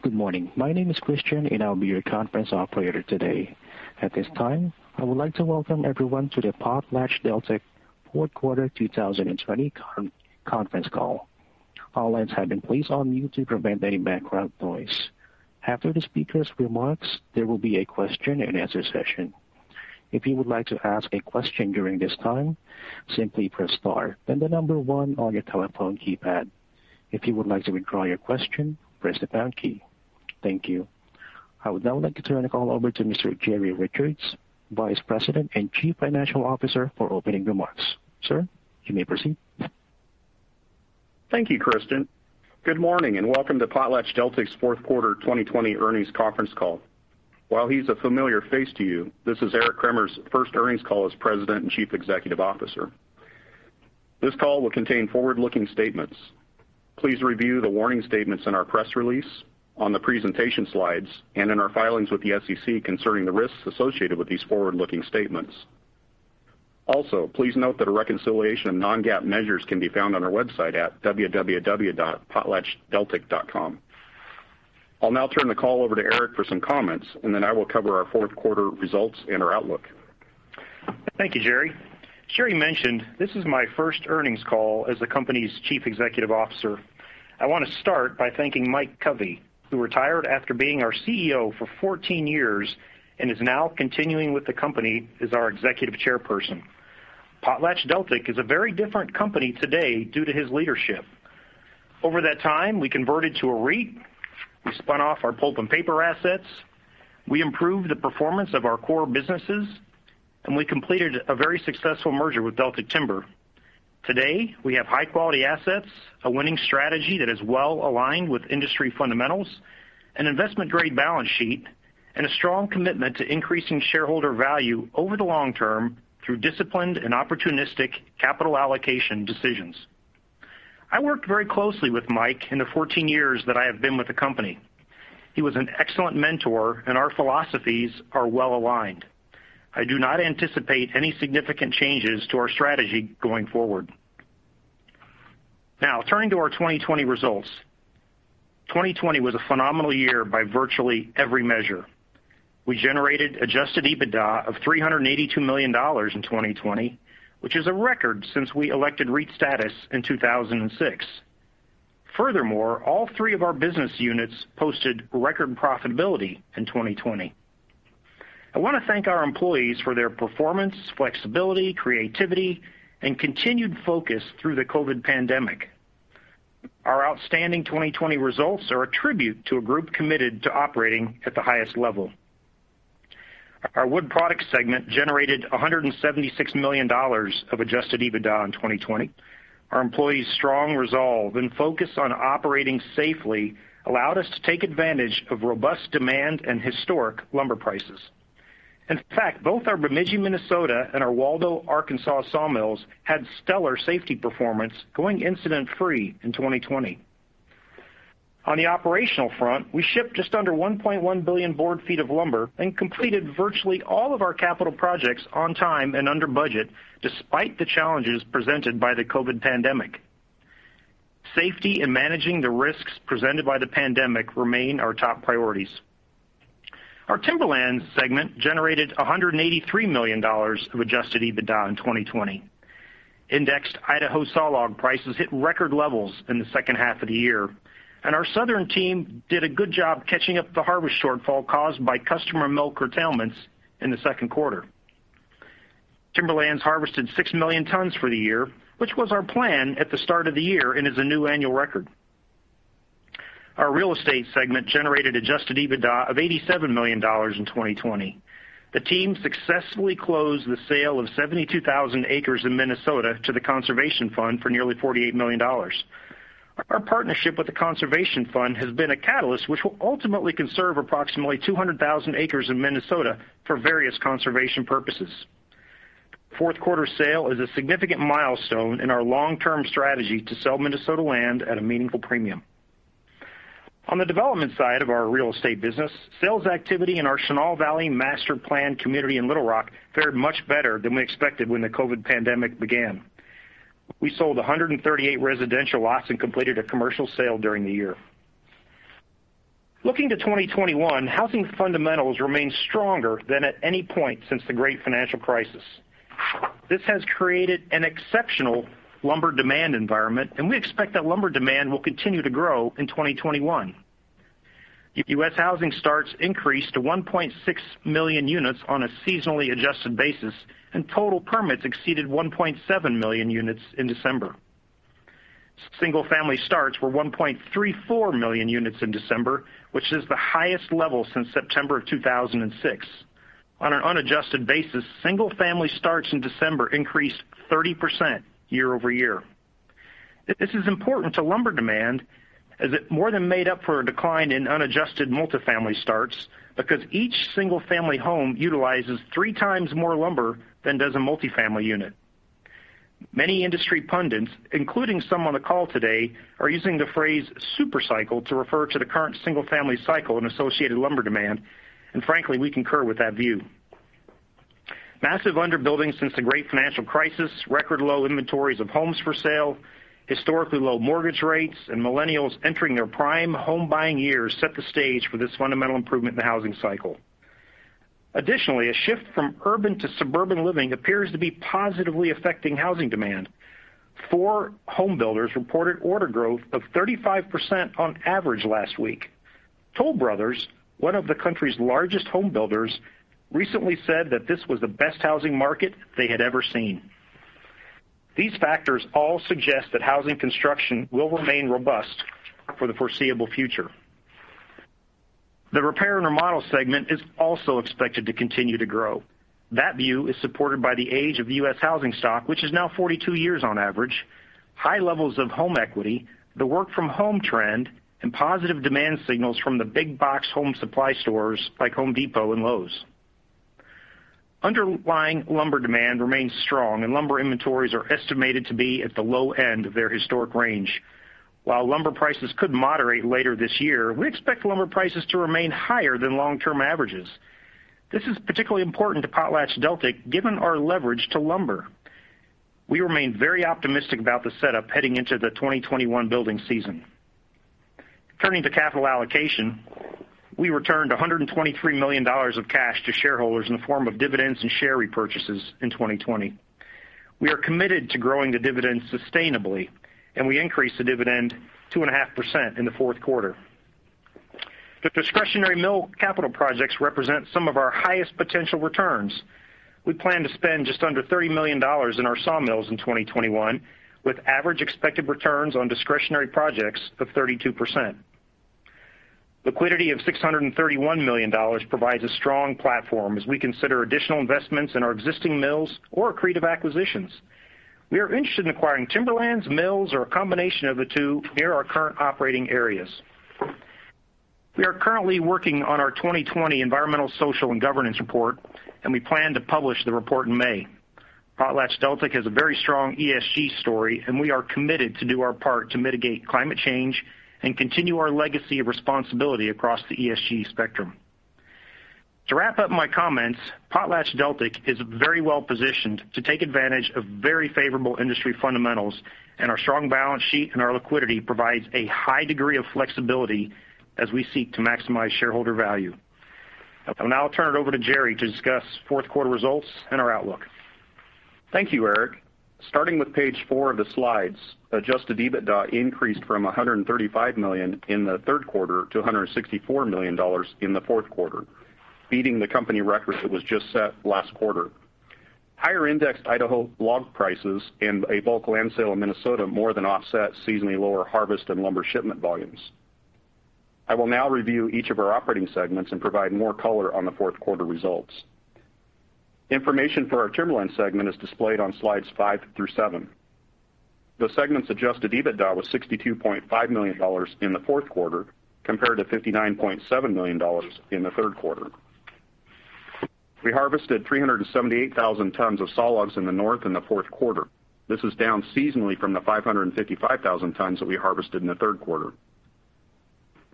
Good morning. My name is Christian, and I'll be your conference operator today. At this time, I would like to welcome everyone to the PotlatchDeltic Fourth Quarter 2020 Conference Call. All lines have been placed on mute to prevent any background noise. After the speakers' remarks, there will be a question-and-answer session. If you would like to ask a question during this time, simply press star, then the number one on your telephone keypad. If you would like to withdraw your question, press the pound key. Thank you. I would now like to turn the call over to Mr. Jerry Richards, Vice President and Chief Financial Officer, for opening remarks. Sir, you may proceed. Thank you, Christian. Good morning, and welcome to PotlatchDeltic's Fourth Quarter 2020 Earnings Conference Call. While he's a familiar face to you, this is Eric Cremers's first earnings call as President and Chief Executive Officer. This call will contain forward-looking statements. Please review the warning statements in our press release, on the presentation slides, and in our filings with the SEC concerning the risks associated with these forward-looking statements. Also, please note that a reconciliation of non-GAAP measures can be found on our website at www.potlatchdeltic.com. I'll now turn the call over to Eric for some comments, and then I will cover our fourth quarter results and our outlook. Thank you, Jerry. As Jerry mentioned, this is my first earnings call as the company's Chief Executive Officer. I want to start by thanking Mike Covey, who retired after being our CEO for 14 years and is now continuing with the company as our Executive Chairperson. PotlatchDeltic is a very different company today due to his leadership. Over that time, we converted to a REIT, we spun off our pulp and paper assets, we improved the performance of our core businesses, and we completed a very successful merger with Deltic Timber. Today, we have high-quality assets, a winning strategy that is well-aligned with industry fundamentals, an investment-grade balance sheet, and a strong commitment to increasing shareholder value over the long term through disciplined and opportunistic capital allocation decisions. I worked very closely with Mike in the 14 years that I have been with the company. He was an excellent mentor, and our philosophies are well-aligned. I do not anticipate any significant changes to our strategy going forward. Now, turning to our 2020 results. 2020 was a phenomenal year by virtually every measure. We generated adjusted EBITDA of $382 million in 2020, which is a record since we elected REIT status in 2006. Furthermore, all three of our business units posted record profitability in 2020. I want to thank our employees for their performance, flexibility, creativity, and continued focus through the COVID pandemic. Our outstanding 2020 results are a tribute to a group committed to operating at the highest level. Our Wood Products segment generated $176 million of adjusted EBITDA in 2020. Our employees' strong resolve and focus on operating safely allowed us to take advantage of robust demand and historic lumber prices. In fact, both our Bemidji, Minnesota, and our Waldo, Arkansas, sawmills had stellar safety performance, going incident-free in 2020. On the operational front, we shipped just under 1.1 billion board feet of lumber and completed virtually all of our capital projects on time and under budget, despite the challenges presented by the COVID pandemic. Safety and managing the risks presented by the pandemic remain our top priorities. Our Timberlands segment generated $183 million of adjusted EBITDA in 2020. Indexed Idaho sawlog prices hit record levels in the second half of the year, and our southern team did a good job catching up the harvest shortfall caused by customer mill curtailments in the second quarter. Timberlands harvested 6 million tons for the year, which was our plan at the start of the year and is a new annual record. Our Real Estate segment generated adjusted EBITDA of $87 million in 2020. The team successfully closed the sale of 72,000 acres in Minnesota to The Conservation Fund for nearly $48 million. Our partnership with The Conservation Fund has been a catalyst which will ultimately conserve approximately 200,000 acres in Minnesota for various conservation purposes. The fourth quarter sale is a significant milestone in our long-term strategy to sell Minnesota land at a meaningful premium. On the development side of our real estate business, sales activity in our Chenal Valley master-planned community in Little Rock fared much better than we expected when the COVID pandemic began. We sold 138 residential lots and completed a commercial sale during the year. Looking to 2021, housing fundamentals remain stronger than at any point since the great financial crisis. This has created an exceptional lumber demand environment, and we expect that lumber demand will continue to grow in 2021. U.S. housing starts increased to 1.6 million units on a seasonally adjusted basis, and total permits exceeded 1.7 million units in December. Single-family starts were 1.34 million units in December, which is the highest level since September of 2006. On an unadjusted basis, single-family starts in December increased 30% year-over-year. This is important to lumber demand, as it more than made up for a decline in unadjusted multifamily starts because each single-family home utilizes three times more lumber than does a multifamily unit. Many industry pundits, including some on the call today, are using the phrase supercycle to refer to the current single-family cycle and associated lumber demand, and frankly, we concur with that view. Massive underbuilding since the great financial crisis, record low inventories of homes for sale, historically low mortgage rates, and millennials entering their prime home buying years set the stage for this fundamental improvement in the housing cycle. Additionally, a shift from urban to suburban living appears to be positively affecting housing demand. four home builders reported order growth of 35% on average last week. Toll Brothers, one of the country's largest home builders, recently said that this was the best housing market they had ever seen. These factors all suggest that housing construction will remain robust for the foreseeable future. The repair and remodel segment is also expected to continue to grow. That view is supported by the age of the U.S. housing stock, which is now 42 years on average, high levels of home equity, the work from home trend, and positive demand signals from the big box home supply stores like The Home Depot and Lowe's. Underlying lumber demand remains strong, and lumber inventories are estimated to be at the low end of their historic range. While lumber prices could moderate later this year, we expect lumber prices to remain higher than long-term averages. This is particularly important to PotlatchDeltic, given our leverage to lumber. We remain very optimistic about the setup heading into the 2021 building season. Turning to capital allocation, we returned $123 million of cash to shareholders in the form of dividends and share repurchases in 2020. We are committed to growing the dividend sustainably, and we increased the dividend 2.5% in the fourth quarter. The discretionary mill capital projects represent some of our highest potential returns. We plan to spend just under $30 million in our sawmills in 2021, with average expected returns on discretionary projects of 32%. Liquidity of $631 million provides a strong platform as we consider additional investments in our existing mills or accretive acquisitions. We are interested in acquiring timberlands, mills, or a combination of the two near our current operating areas. We are currently working on our 2020 environmental, social, and governance report, and we plan to publish the report in May. PotlatchDeltic has a very strong ESG story, and we are committed to do our part to mitigate climate change and continue our legacy of responsibility across the ESG spectrum. To wrap up my comments, PotlatchDeltic is very well-positioned to take advantage of very favorable industry fundamentals, and our strong balance sheet and our liquidity provides a high degree of flexibility as we seek to maximize shareholder value. I will now turn it over to Jerry to discuss fourth quarter results and our outlook. Thank you, Eric. Starting with page four of the slides, adjusted EBITDA increased from $135 million in the third quarter to $164 million in the fourth quarter, beating the company record that was just set last quarter. Higher indexed Idaho log prices and a bulk land sale in Minnesota more than offset seasonally lower harvest and lumber shipment volumes. I will now review each of our operating segments and provide more color on the fourth quarter results. Information for our Timberlands segment is displayed on slides five through seven. The segment's adjusted EBITDA was $62.5 million in the fourth quarter compared to $59.7 million in the third quarter. We harvested 378,000 tons of sawlogs in the North in the fourth quarter. This is down seasonally from the 555,000 tons that we harvested in the third quarter.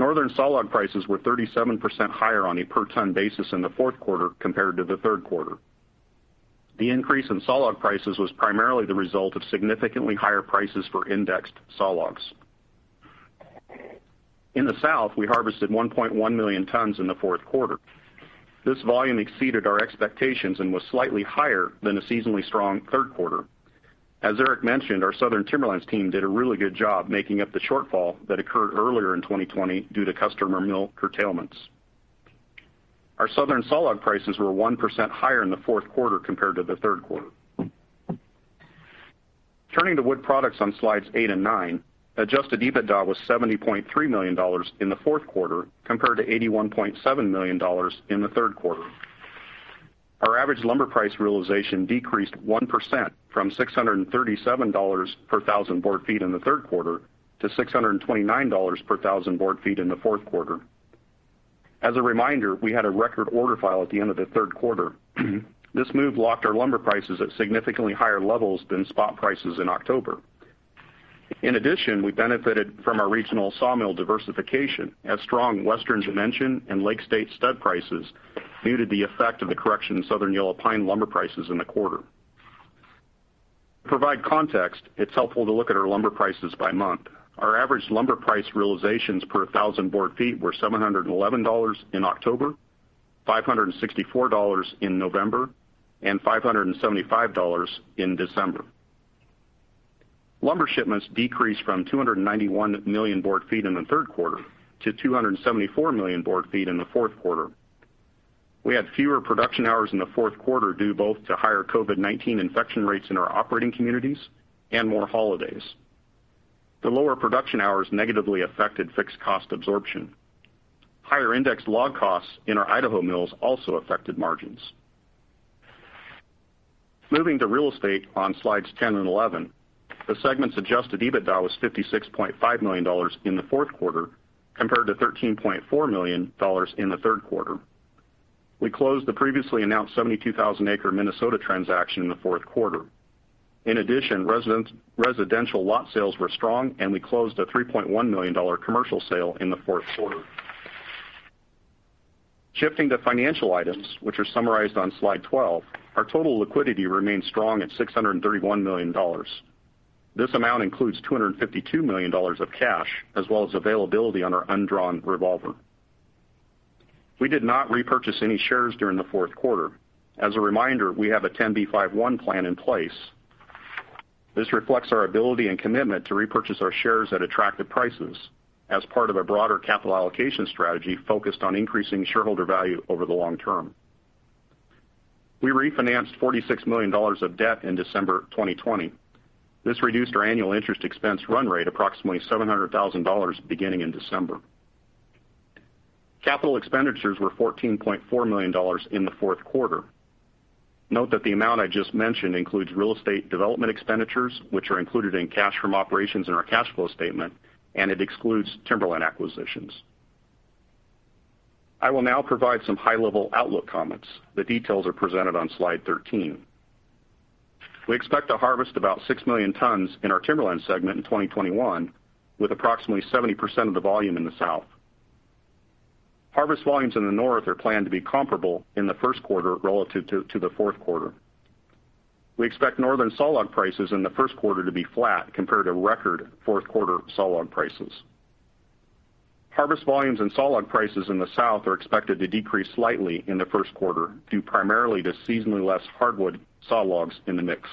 Northern sawlog prices were 37% higher on a per-ton basis in the fourth quarter compared to the third quarter. The increase in sawlog prices was primarily the result of significantly higher prices for indexed sawlogs. In the South, we harvested 1.1 million tons in the fourth quarter. This volume exceeded our expectations and was slightly higher than a seasonally strong third quarter. As Eric mentioned, our Southern Timberlands team did a really good job making up the shortfall that occurred earlier in 2020 due to customer mill curtailments. Our Southern sawlog prices were 1% higher in the fourth quarter compared to the third quarter. Turning to Wood Products on slides eight and nine, adjusted EBITDA was $70.3 million in the fourth quarter compared to $81.7 million in the third quarter. Our average lumber price realization decreased 1% from $637 per thousand board feet in the third quarter to $629 per thousand board feet in the fourth quarter. As a reminder, we had a record order file at the end of the third quarter. This move locked our lumber prices at significantly higher levels than spot prices in October. In addition, we benefited from our regional sawmill diversification as strong Western Dimension and Lake States stud prices muted the effect of the correction in Southern Yellow Pine lumber prices in the quarter. To provide context, it's helpful to look at our lumber prices by month. Our average lumber price realizations per 1,000 board feet were $711 in October, $564 in November, and $575 in December. Lumber shipments decreased from 291 million board feet in the third quarter to 274 million board feet in the fourth quarter. We had fewer production hours in the fourth quarter due both to higher COVID-19 infection rates in our operating communities and more holidays. The lower production hours negatively affected fixed cost absorption. Higher indexed log costs in our Idaho mills also affected margins. Moving to Real Estate on slides 10 and 11, the segment's adjusted EBITDA was $56.5 million in the fourth quarter compared to $13.4 million in the third quarter. We closed the previously announced 72,000-acre Minnesota transaction in the fourth quarter. Residential lot sales were strong, and we closed a $3.1 million commercial sale in the fourth quarter. Shifting to financial items, which are summarized on slide 12, our total liquidity remains strong at $631 million. This amount includes $252 million of cash as well as availability on our undrawn revolver. We did not repurchase any shares during the fourth quarter. As a reminder, we have a 10b5-1 plan in place. This reflects our ability and commitment to repurchase our shares at attractive prices as part of a broader capital allocation strategy focused on increasing shareholder value over the long term. We refinanced $46 million of debt in December 2020. This reduced our annual interest expense run rate approximately $700,000 beginning in December. Capital expenditures were $14.4 million in the fourth quarter. Note that the amount I just mentioned includes real estate development expenditures, which are included in cash from operations in our cash flow statement, and it excludes timberland acquisitions. I will now provide some high-level outlook comments. The details are presented on slide 13. We expect to harvest about 6 million tons in our timberland segment in 2021, with approximately 70% of the volume in the South. Harvest volumes in the North are planned to be comparable in the first quarter relative to the fourth quarter. We expect Northern sawlog prices in the first quarter to be flat compared to record fourth quarter sawlog prices. Harvest volumes and sawlog prices in the South are expected to decrease slightly in the first quarter, due primarily to seasonally less hardwood sawlogs in the mix.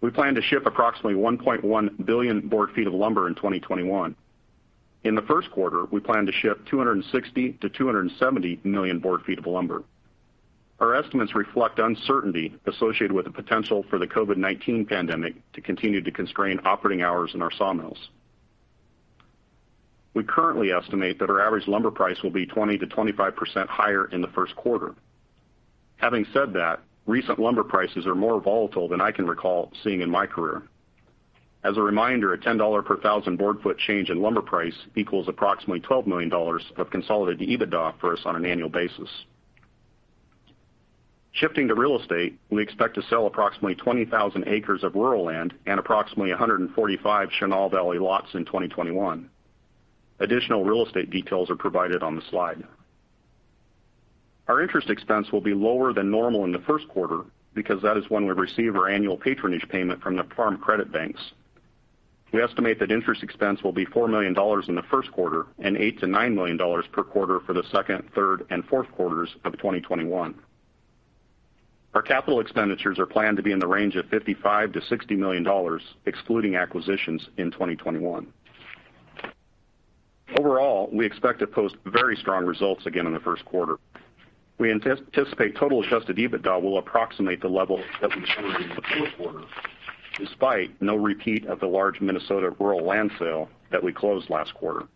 We plan to ship approximately 1.1 billion board feet of lumber in 2021. In the first quarter, we plan to ship 260 million-270 million board feet of lumber. Our estimates reflect uncertainty associated with the potential for the COVID-19 pandemic to continue to constrain operating hours in our sawmills. We currently estimate that our average lumber price will be 20%-25% higher in the first quarter. Having said that, recent lumber prices are more volatile than I can recall seeing in my career. As a reminder, a $10 per thousand board foot change in lumber price equals approximately $12 million of consolidated EBITDA for us on an annual basis. Shifting to real estate, we expect to sell approximately 20,000 acres of rural land and approximately 145 Chenal Valley lots in 2021. Additional real estate details are provided on the slide. Our interest expense will be lower than normal in the first quarter because that is when we receive our annual patronage payment from the Farm Credit banks. We estimate that interest expense will be $4 million in the first quarter and $8 million to $9 million per quarter for the second, third, and fourth quarters of 2021. Our capital expenditures are planned to be in the range of $55 million to $60 million, excluding acquisitions in 2021. Overall, we expect to post very strong results again in the first quarter. We anticipate total adjusted EBITDA will approximate the level that we generated in the fourth quarter, despite no repeat of the large Minnesota rural land sale that we closed last quarter.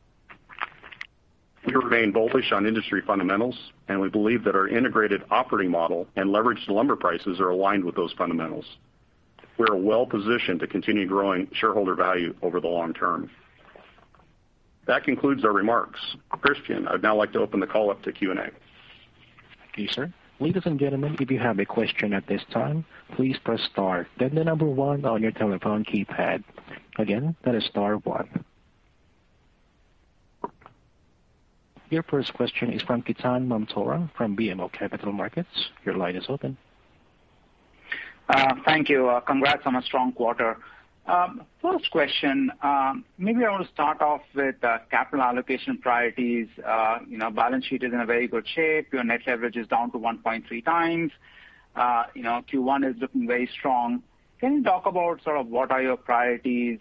We remain bullish on industry fundamentals, and we believe that our integrated operating model and leveraged lumber prices are aligned with those fundamentals. We are well-positioned to continue growing shareholder value over the long-term. That concludes our remarks. Christian, I'd now like to open the call up to Q&A. Thank you, sir. Ladies and gentlemen, if you have a question at this time, please press star, then the number 1 on your telephone keypad. Again, that is star 1. Your first question is from Ketan Mamtora from BMO Capital Markets. Your line is open. Thank you. Congrats on a strong quarter. First question, maybe I want to start off with capital allocation priorities. Balance sheet is in a very good shape. Your net leverage is down to 1.3x. Q1 is looking very strong. Can you talk about what are your priorities?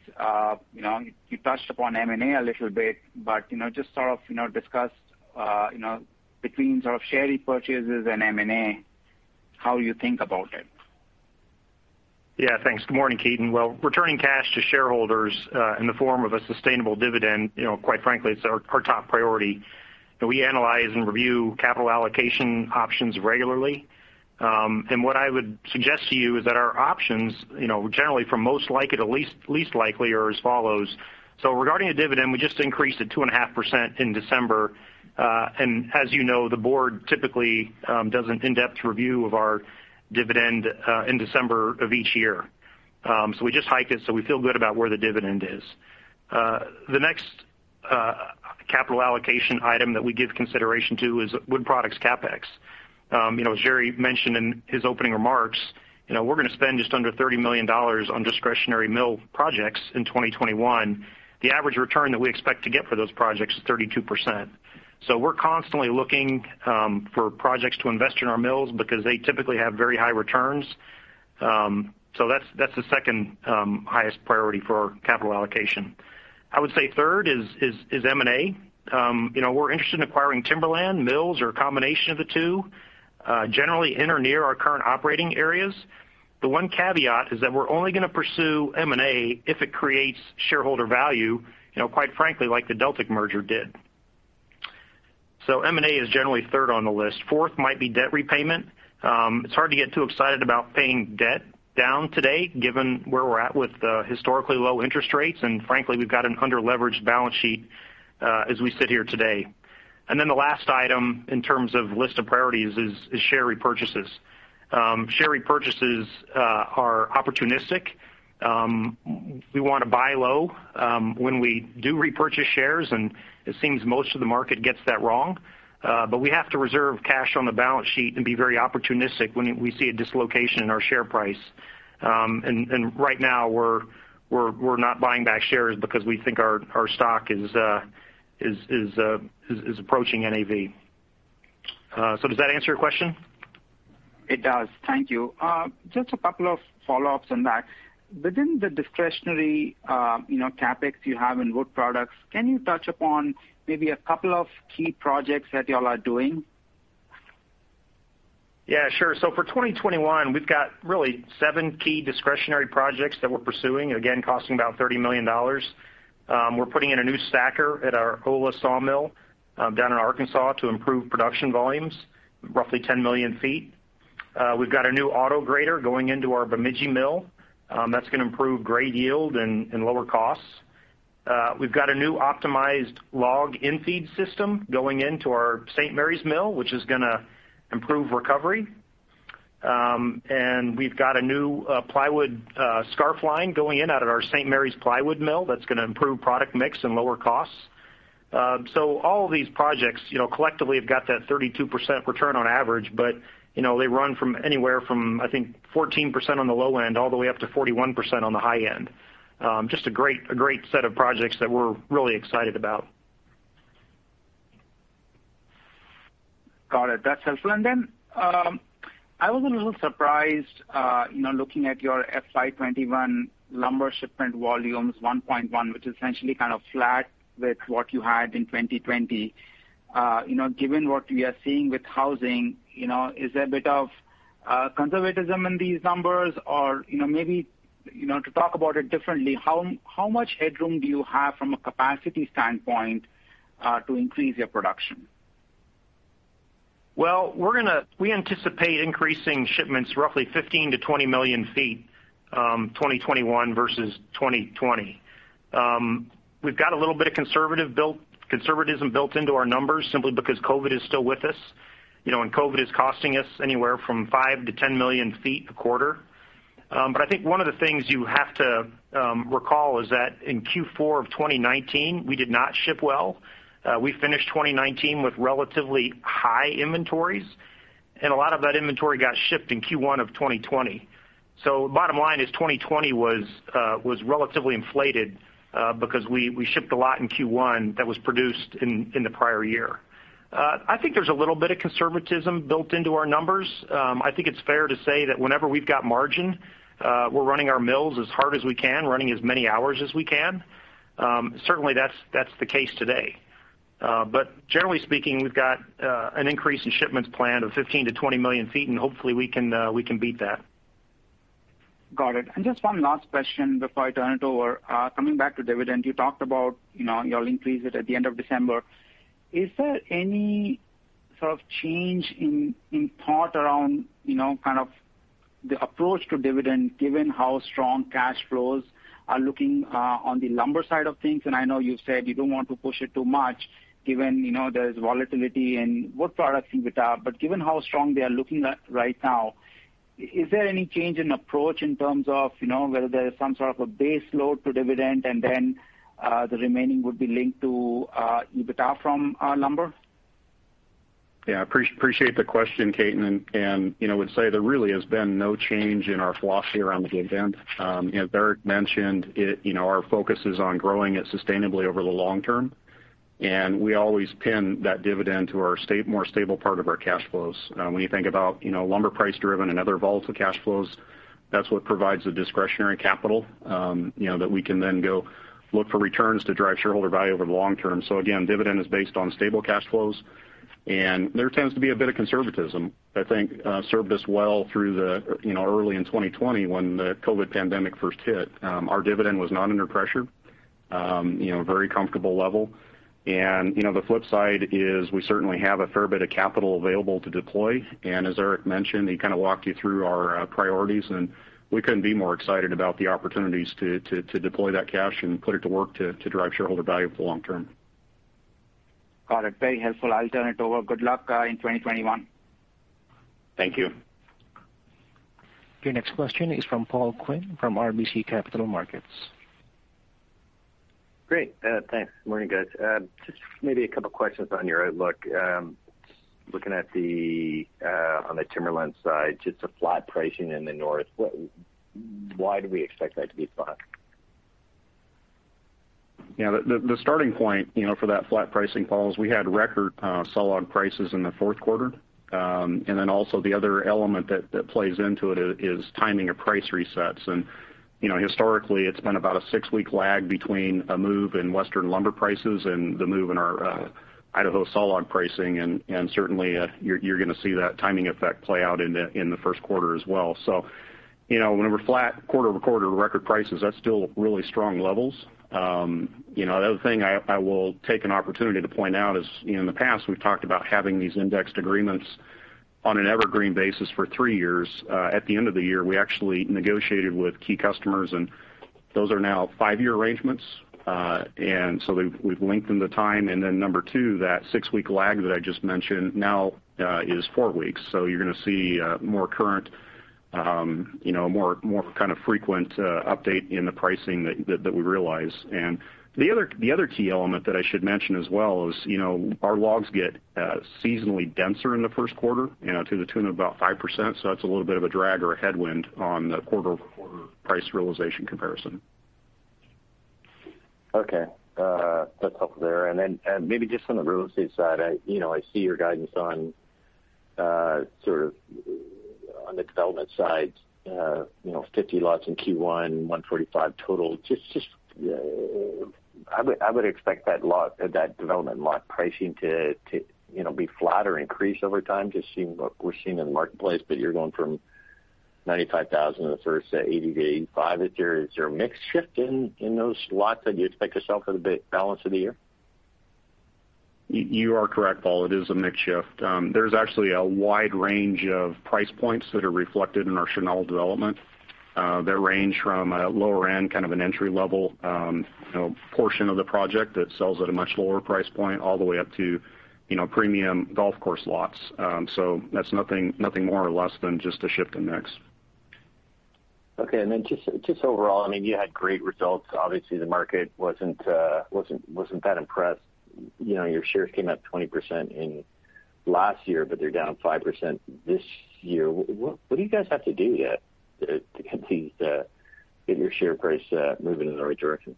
You touched upon M&A a little bit, but just discuss between share repurchases and M&A, how you think about it. Yeah, thanks. Good morning, Ketan. Well, returning cash to shareholders in the form of a sustainable dividend, quite frankly, it's our top priority. We analyze and review capital allocation options regularly. What I would suggest to you is that our options, generally from most likely to least likely are as follows. Regarding a dividend, we just increased it 2.5% in December. As you know, the board typically does an in-depth review of our dividend in December of each year. We just hiked it, so we feel good about where the dividend is. The next capital allocation item that we give consideration to is wood products CapEx. As Jerry mentioned in his opening remarks, we're going to spend just under $30 million on discretionary mill projects in 2021. The average return that we expect to get for those projects is 32%. We're constantly looking for projects to invest in our mills because they typically have very high returns. That's the second highest priority for capital allocation. I would say third is M&A. We're interested in acquiring timberland, mills, or a combination of the two, generally in or near our current operating areas. The one caveat is that we're only going to pursue M&A if it creates shareholder value, quite frankly, like the Deltic merger did. M&A is generally third on the list. Fourth might be debt repayment. It's hard to get too excited about paying debt down today, given where we're at with historically low interest rates, and frankly, we've got an under-leveraged balance sheet as we sit here today. The last item in terms of list of priorities is share repurchases. Share repurchases are opportunistic We want to buy low when we do repurchase shares, and it seems most of the market gets that wrong. We have to reserve cash on the balance sheet and be very opportunistic when we see a dislocation in our share price. Right now, we're not buying back shares because we think our stock is approaching NAV. Does that answer your question? It does. Thank you. Just a couple of follow-ups on that. Within the discretionary CapEx you have in wood products, can you touch upon maybe a couple of key projects that you all are doing? Yeah, sure. For 2021, we've got really seven key discretionary projects that we're pursuing, again, costing about $30 million. We're putting in a new stacker at our Waldo sawmill down in Arkansas to improve production volumes, roughly 10 million feet. We've got a new auto grader going into our Bemidji mill. That's going to improve grade yield and lower costs. We've got a new optimized log infeed system going into our St. Maries mill, which is going to improve recovery. We've got a new plywood scarf line going in out at our St. Maries plywood mill that's going to improve product mix and lower costs. All of these projects collectively have got that 32% return on average, but they run from anywhere from, I think, 14% on the low end all the way up to 41% on the high end. Just a great set of projects that we're really excited about. Got it. That's helpful. I was a little surprised looking at your FY 2021 lumber shipment volumes, 1.1, which is essentially kind of flat with what you had in 2020. Given what we are seeing with housing, is there a bit of conservatism in these numbers? Or maybe to talk about it differently, how much headroom do you have from a capacity standpoint to increase your production? Well, we anticipate increasing shipments roughly 15 million-20 million feet, 2021 versus 2020. We've got a little bit of conservatism built into our numbers simply because COVID is still with us, and COVID is costing us anywhere from 5 million-10 million feet a quarter. I think one of the things you have to recall is that in Q4 of 2019, we did not ship well. We finished 2019 with relatively high inventories, a lot of that inventory got shipped in Q1 of 2020. Bottom line is 2020 was relatively inflated because we shipped a lot in Q1 that was produced in the prior year. I think there's a little bit of conservatism built into our numbers. I think it's fair to say that whenever we've got margin, we're running our mills as hard as we can, running as many hours as we can. Certainly, that's the case today. Generally speaking, we've got an increase in shipments planned of 15-20 million feet, and hopefully we can beat that. Got it. Just one last question before I turn it over. Coming back to dividend, you talked about you all increased it at the end of December. Is there any sort of change in thought around kind of the approach to dividend, given how strong cash flows are looking on the lumber side of things? I know you've said you don't want to push it too much given there's volatility in wood products and EBITDA, but given how strong they are looking right now, is there any change in approach in terms of whether there is some sort of a base load to dividend and then the remaining would be linked to EBITDA from lumber? Appreciate the question, Ketan, would say there really has been no change in our philosophy around the dividend. As Eric mentioned, our focus is on growing it sustainably over the long term, we always pin that dividend to our more stable part of our cash flows. When you think about lumber price-driven and other volatile cash flows, that's what provides the discretionary capital that we can then go look for returns to drive shareholder value over the long term. Again, dividend is based on stable cash flows, there tends to be a bit of conservatism. I think served us well through early in 2020 when the COVID pandemic first hit. Our dividend was not under pressure, very comfortable level. The flip side is we certainly have a fair bit of capital available to deploy. As Eric mentioned, he kind of walked you through our priorities, and we couldn't be more excited about the opportunities to deploy that cash and put it to work to drive shareholder value for the long-term. Got it. Very helpful. I'll turn it over. Good luck in 2021. Thank you. Your next question is from Paul Quinn from RBC Capital Markets. Great. Thanks. Morning, guys. Maybe a couple questions on your outlook. Looking on the timberland side, the flat pricing in the North, why do we expect that to be flat? Yeah, the starting point for that flat pricing, Paul, is we had record sawlog prices in the fourth quarter. Then also the other element that plays into it is timing of price resets. Historically, it's been about a six-week lag between a move in Western lumber prices and the move in our Idaho sawlog pricing, and certainly you're going to see that timing effect play out in the first quarter as well. When we're flat quarter-over-quarter record prices, that's still really strong levels. The other thing I will take an opportunity to point out is in the past, we've talked about having these indexed agreements on an evergreen basis for three years. At the end of the year, we actually negotiated with key customers, and those are now five-year arrangements. We've lengthened the time, then number two, that six-week lag that I just mentioned now is four weeks. You're going to see a more frequent update in the pricing that we realize. The other key element that I should mention as well is, our logs get seasonally denser in the first quarter to the tune of about 5%. That's a little bit of a drag or a headwind on the quarter-over-quarter price realization comparison. Okay. That's helpful there. Maybe just on the real estate side, I see your guidance on the development side, 50 lots in Q1, 145 total. I would expect that development lot pricing to be flat or increase over time, just seeing what we're seeing in the marketplace. You're going from $95,000 in the first to $80-$85. Is there a mix shift in those lots that you expect to sell for the balance of the year? You are correct, Paul. It is a mix shift. There's actually a wide range of price points that are reflected in our Chenal development that range from a lower end, an entry-level portion of the project that sells at a much lower price point, all the way up to premium golf course lots. That's nothing more or less than just a shift in mix. Okay. Just overall, you had great results. Obviously, the market wasn't that impressed. Your shares came up 20% in last year, they're down 5% this year. What do you guys have to do to continue to get your share price moving in the right direction?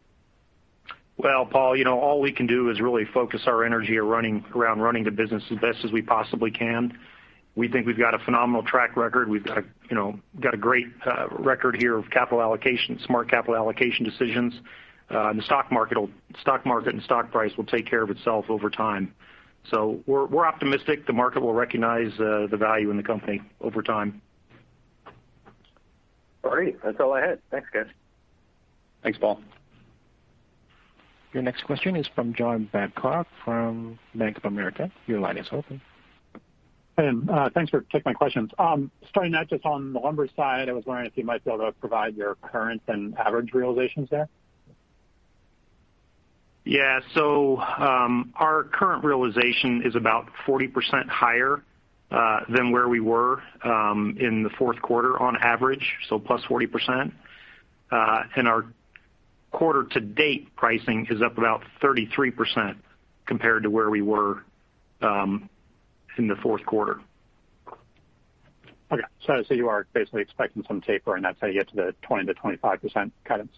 Well, Paul, all we can do is really focus our energy around running the business as best as we possibly can. We think we've got a phenomenal track-record. We've got a great record here of capital allocation, smart capital allocation decisions. The stock market and stock price will take care of itself over time. We're optimistic the market will recognize the value in the company over time. All right. That's all I had. Thanks, guys. Thanks, Paul. Your next question is from John Babcock from Bank of America. Your line is open. Thanks for taking my questions. Starting out just on the lumber side, I was wondering if you might be able to provide your current and average realizations there? Our current realization is about 40% higher than where we were in the fourth quarter on average, so plus 40%. Our quarter to date pricing is up about 33% compared to where we were in the fourth quarter. Okay. You are basically expecting some taper, and that's how you get to the 20%-25% cut ins.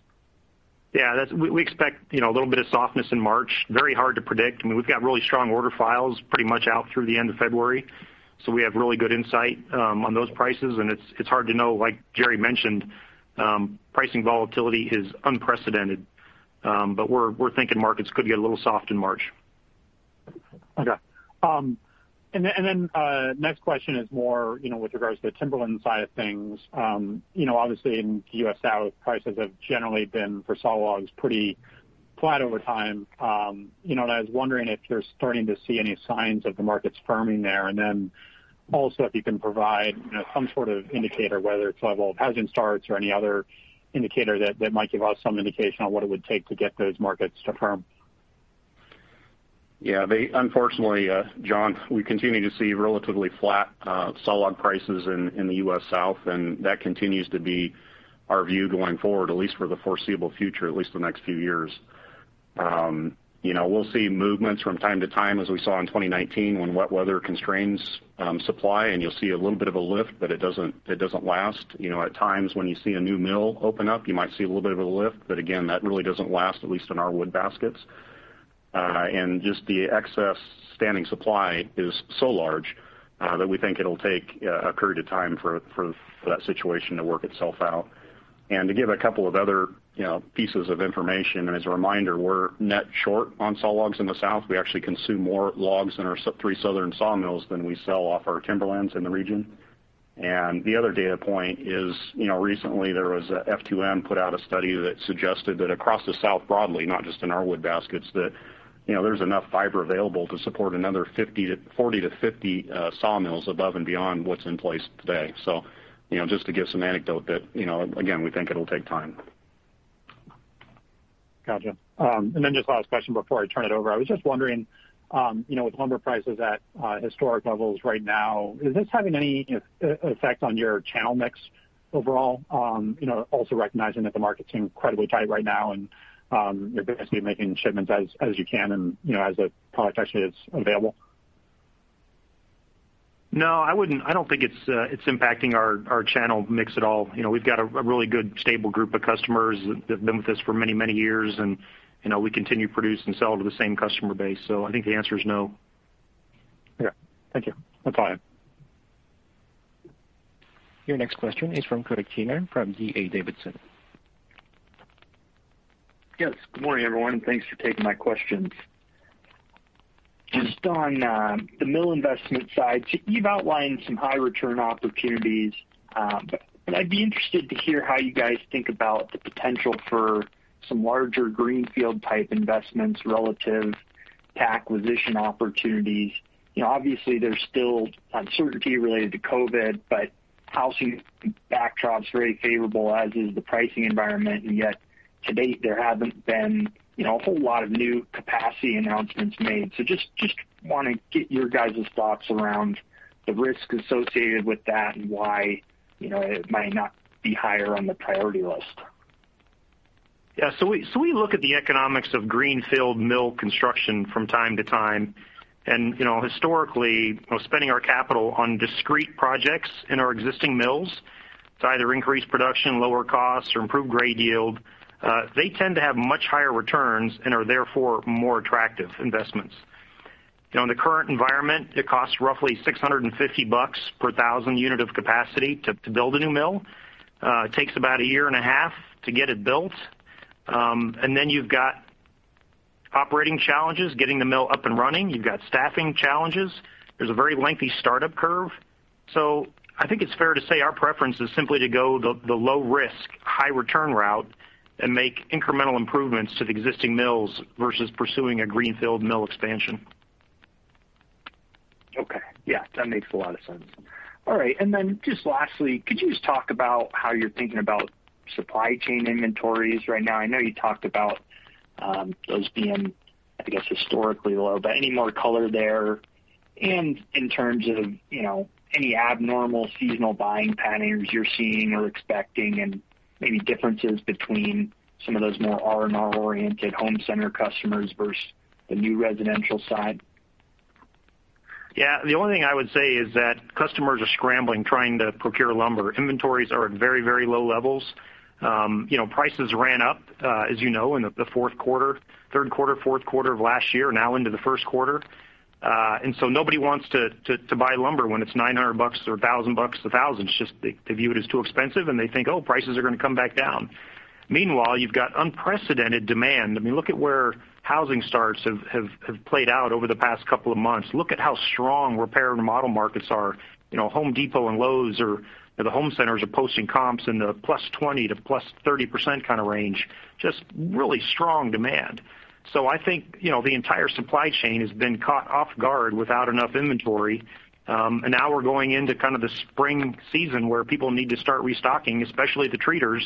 Yeah. We expect a little bit of softness in March. Very hard to predict. We've got really strong order files pretty much out through the end of February. We have really good insight on those prices, and it's hard to know. Like Jerry mentioned, pricing volatility is unprecedented. We're thinking markets could get a little soft in March. Okay. Next question is more with regards to the timberland side of things. Obviously in the U.S. South, prices have generally been for saw logs pretty flat over time. I was wondering if you're starting to see any signs of the markets firming there, and then also if you can provide some sort of indicator, whether it's level of housing starts or any other indicator that might give us some indication on what it would take to get those markets to firm. Yeah. Unfortunately John, we continue to see relatively flat saw log prices in the U.S. South. That continues to be our view going forward, at least for the foreseeable future, at least the next few years. We'll see movements from time-to-time, as we saw in 2019 when wet weather constrains supply. You'll see a little bit of a lift. It doesn't last. At times when you see a new mill open up, you might see a little bit of a lift. Again, that really doesn't last, at least in our wood baskets. Just the excess standing supply is so large that we think it'll take a period of time for that situation to work itself out. To give a couple of other pieces of information. As a reminder, we're net short on saw logs in the South. We actually consume more logs in our three southern sawmills than we sell off our timberlands in the region. The other data point is, recently there was a Forisk put out a study that suggested that across the South broadly, not just in our wood baskets, that there's enough fiber available to support another 40-50 sawmills above and beyond what's in place today. Just to give some anecdote that, again, we think it'll take time. Gotcha. Just last question before I turn it over. I was just wondering with lumber prices at historic levels right now, is this having any effect on your channel mix overall? Also recognizing that the market's incredibly tight right now, and you're basically making shipments as you can, and as the product actually is available. No, I don't think it's impacting our channel mix at all. We've got a really good, stable group of customers that have been with us for many, many years, and we continue to produce and sell to the same customer base. I think the answer is no. Okay. Thank you. That's all I have. Your next question is from Kurt Yinger from D.A. Davidson. Yes. Good morning, everyone. Thanks for taking my questions. Just on the mill investment side, you've outlined some high return opportunities. I'd be interested to hear how you guys think about the potential for some larger greenfield type investments relative to acquisition opportunities. Obviously there's still uncertainty related to COVID, housing backdrop's very favorable, as is the pricing environment, yet to date, there haven't been a whole lot of new capacity announcements made. Just want to get your guys' thoughts around the risk associated with that and why it might not be higher on the priority list. We look at the economics of greenfield mill construction from time-to-time, and historically, spending our capital on discrete projects in our existing mills to either increase production, lower costs, or improve grade yield, they tend to have much higher returns and are therefore more attractive investments. In the current environment, it costs roughly $650 per 1,000 unit of capacity to build a new mill. It takes about a year and a half to get it built. Then you've got operating challenges, getting the mill up and running. You've got staffing challenges. There's a very lengthy startup curve. I think it's fair to say our preference is simply to go the low risk, high return route and make incremental improvements to the existing mills versus pursuing a greenfield mill expansion. Okay. Yeah, that makes a lot of sense. All right, just lastly, could you just talk about how you're thinking about supply chain inventories right now? I know you talked about those being, I guess, historically low, but any more color there? In terms of any abnormal seasonal buying patterns you're seeing or expecting, and maybe differences between some of those more R&R-oriented home center customers versus the new residential side? Yeah. The only thing I would say is that customers are scrambling trying to procure lumber. Inventories are at very low levels. Prices ran up, as you know, in the fourth quarter, third quarter, fourth quarter of last year, now into the first quarter. Nobody wants to buy lumber when it's $900 or $1,000 a thousand. They view it as too expensive and they think, "Oh, prices are going to come back down." Meanwhile, you've got unprecedented demand. I mean, look at where housing starts have played out over the past couple of months. Look at how strong repair and remodel markets are. The Home Depot and Lowe's or the home centers are posting comps in the +20% to +30% kind of range, just really strong demand. I think the entire supply chain has been caught off guard without enough inventory, and now we're going into kind of the spring season where people need to start restocking, especially the treaters,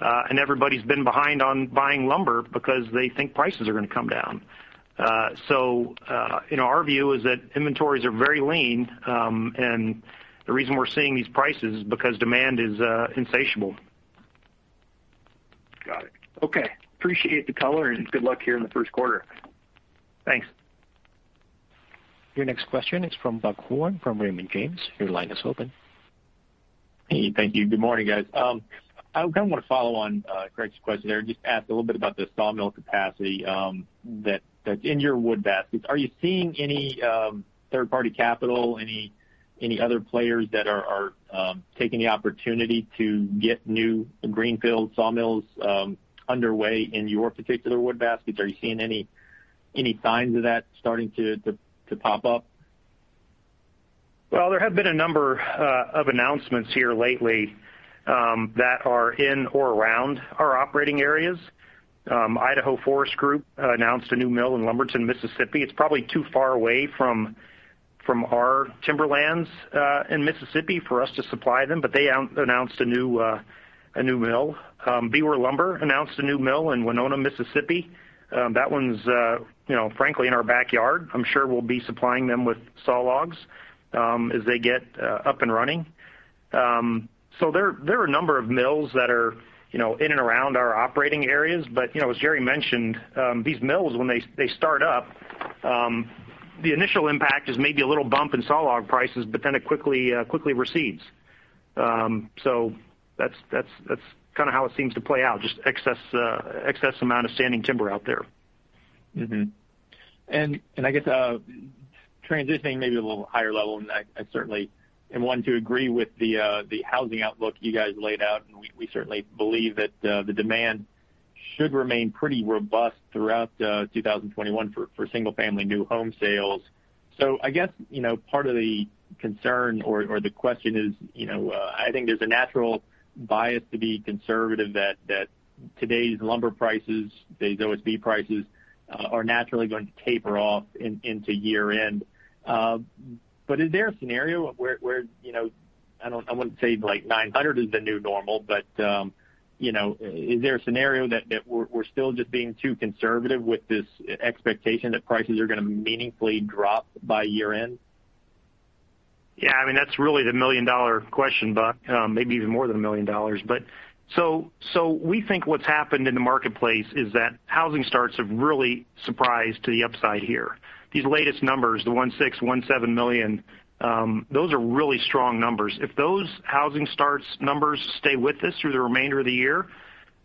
and everybody's been behind on buying lumber because they think prices are going to come down. Our view is that inventories are very lean, and the reason we're seeing these prices is because demand is insatiable. Got it. Okay. Appreciate the color and good luck here in the first quarter. Thanks. Your next question is from Buck Horne from Raymond James. Your line is open. Hey, thank you. Good morning, guys. I kind of want to follow on Kurt's question there and just ask a little bit about the sawmill capacity that's in your wood baskets. Are you seeing any third-party capital, any other players that are taking the opportunity to get new greenfield sawmills underway in your particular wood baskets? Are you seeing any signs of that starting to pop up? There have been a number of announcements here lately that are in or around our operating areas. Idaho Forest Group announced a new mill in Lumberton, Mississippi. It's probably too far away from our timberlands in Mississippi for us to supply them, but they announced a new mill. Biewer Lumber announced a new mill in Winona, Mississippi. That one's frankly in our backyard. I'm sure we'll be supplying them with saw logs as they get up and running. There are a number of mills that are in and around our operating areas, but as Jerry mentioned, these mills, when they start up, the initial impact is maybe a little bump in saw log prices, but then it quickly recedes. That's kind of how it seems to play out, just excess amount of standing timber out there. I guess transitioning maybe a little higher level, and I certainly am one to agree with the housing outlook you guys laid out, and we certainly believe that the demand should remain pretty robust throughout 2021 for single-family new home sales. I guess part of the concern or the question is I think there's a natural bias to be conservative that today's lumber prices, today's OSB prices are naturally going to taper off into year-end. Is there a scenario where, I wouldn't say like $900 is the new normal, but is there a scenario that we're still just being too conservative with this expectation that prices are going to meaningfully drop by year-end? Yeah, I mean, that's really the million-dollar question, Buck. Maybe even more than $1 million. We think what's happened in the marketplace is that housing starts have really surprised to the upside here. These latest numbers, the 1.6, 1.7 million, those are really strong numbers. If those housing starts numbers stay with us through the remainder of the year,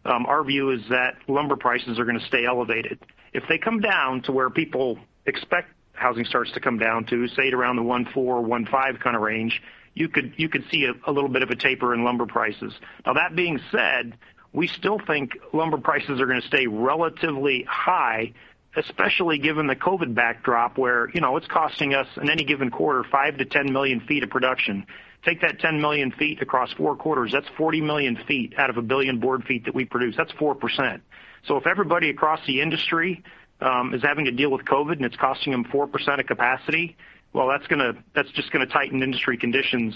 our view is that lumber prices are going to stay elevated. If they come down to where people expect housing starts to come down to, say at around the 1.4 or 1.5 kind of range, you could see a little bit of a taper in lumber prices. That being said, we still think lumber prices are going to stay relatively high, especially given the COVID backdrop where it's costing us in any given quarter 5 million-10 million feet of production. Take that 10 million feet across four quarters, that's 40 million feet out of a billion board feet that we produce. That's 4%. If everybody across the industry is having to deal with COVID and it's costing them 4% of capacity, well, that's just going to tighten industry conditions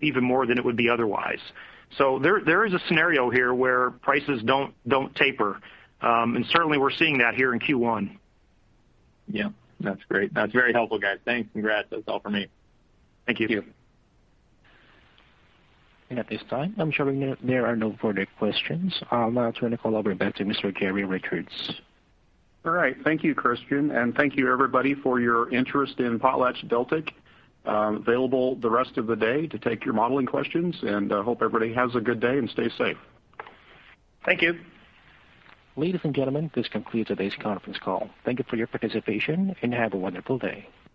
even more than it would be otherwise. There is a scenario here where prices don't taper, and certainly we're seeing that here in Q1. Yeah. That's great. That's very helpful, guys. Thanks. Congrats. That's all for me. Thank you. Thank you. At this time, I'm showing there are no further questions. I'm going to turn the call over back to Mr. Jerry Richards. All right. Thank you, Christian, and thank you everybody for your interest in PotlatchDeltic. I am available the rest of the day to take your modeling questions, and hope everybody has a good day and stay safe. Thank you. Ladies and gentlemen, this concludes today's conference call. Thank you for your participation and have a wonderful day.